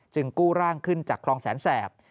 กู้ร่างขึ้นจากคลองแสนแสบ